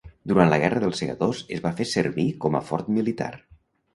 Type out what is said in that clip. Durant la Guerra dels Segadors es va fer servir com a fort militar.